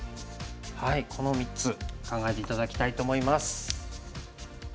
この３つ考えて頂きたいと思います。